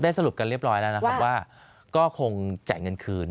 สรุปกันเรียบร้อยแล้วนะครับว่าก็คงจ่ายเงินคืน